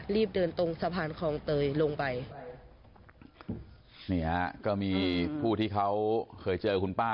รีบเดินตรงสะพานคลองเตยลงไปนี่ฮะก็มีผู้ที่เขาเคยเจอคุณป้า